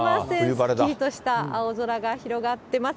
すっきりとした青空が広がってます。